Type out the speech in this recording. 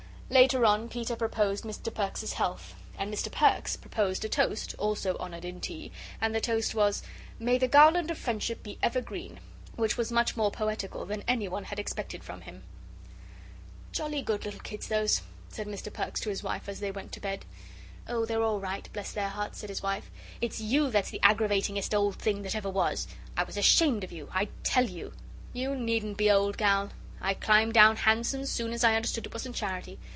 Later on Peter proposed Mr. Perks's health. And Mr. Perks proposed a toast, also honoured in tea, and the toast was, "May the garland of friendship be ever green," which was much more poetical than anyone had expected from him. "Jolly good little kids, those," said Mr. Perks to his wife as they went to bed. "Oh, they're all right, bless their hearts," said his wife; "it's you that's the aggravatingest old thing that ever was. I was ashamed of you I tell you " "You didn't need to be, old gal. I climbed down handsome soon as I understood it wasn't charity.